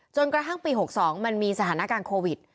จนกระทั่งปี๖๒มันมีสถานการณ์โควิด